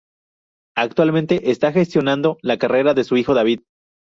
Actualmente está gestionando la carrera de su hijo David.